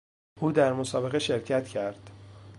او در مسابقه شرکت کرد.